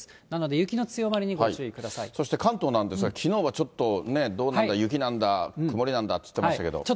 なので雪の強まりにご注意くださそして関東なんですが、きのうはちょっと、ね、どうなんだ、雪なんだ、曇りなんだって言ってましたけど。